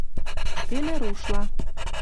Пеле рушла